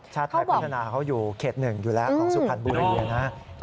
ชาติไทยพัฒนาเขาอยู่เขต๑อยู่แล้วของสุพรรณบุรีนะ